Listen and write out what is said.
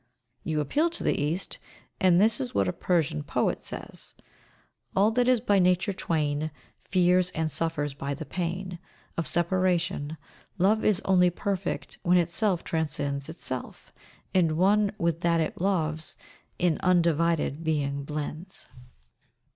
You appeal to the East, and this is what a Persian poet says: "All that is by nature twain, Fears and suffers by the pain Of separation Love is only perfect, When itself transcends itself, And one with that it loves In Undivided Being blends."